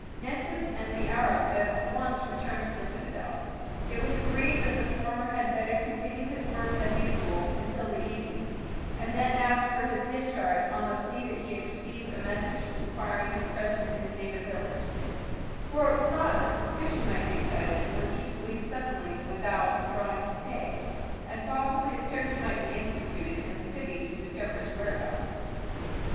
Nessus and the Arab at once returned to the citadel. It was agreed that the former had better continue his work as usual until the evening, and then ask for his discharge on the plea that he had received a message requiring his presence in his native village, for it was thought that suspicion might be excited were he to leave suddenly without drawing his pay, and possibly a search might be instituted in the city to discover his whereabouts.